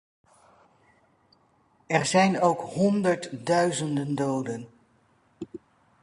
Er zijn ook honderdduizenden doden.